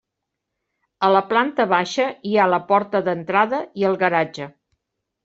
A la planta baixa hi ha la porta d'entrada i el garatge.